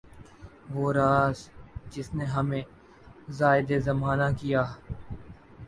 وہ راز جس نے ہمیں راندۂ زمانہ کیا